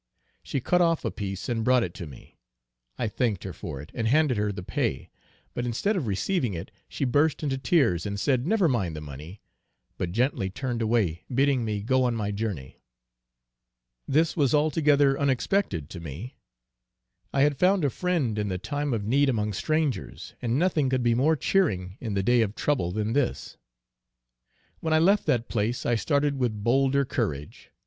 She cut off a piece and brought it to me; I thanked her for it, and handed her the pay, but instead of receiving it, she burst into tears, and said "never mind the money," but gently turned away bidding me go on my journey. This was altogether unexpected to me: I had found a friend in the time of need among strangers, and nothing could be more cheering in the day of trouble than this. When I left that place I started with bolder courage.